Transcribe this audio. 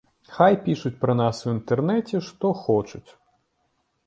Хай пішуць пра нас у інтэрнэце што хочуць.